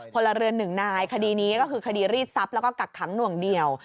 พลเรือนหนึ่งนายคดีนี้ก็คือคดีรีดทรัพย์แล้วก็กักขังหน่วงเหนียว